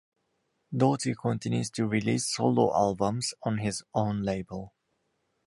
Doughty continues to release solo albums on his own label.